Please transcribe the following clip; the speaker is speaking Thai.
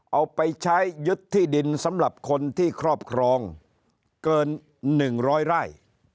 เอาไปใช้ยึดที่ดินสำหรับคนที่ครอบครองเกิน๑๐๐ไร่